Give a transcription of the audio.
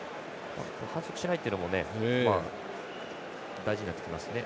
反則しないっていうのも大事になってきますね。